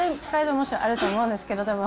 もちろんあると思うんですけど、でも。